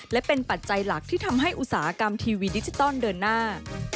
และเป็นปัจจัยหลักที่ทำให้อุตสาหกรรมทีวีดิจิตอลเดินหน้า